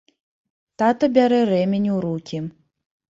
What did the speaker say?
Тата бярэ рэмень у рукі.